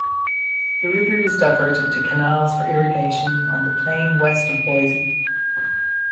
The river is diverted to canals for irrigation on the plain west of Boise.